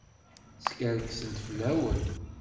Skerksent fell-awen.